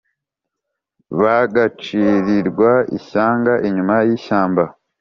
Bagacirirwa ishyanga inyuma y'ishyamba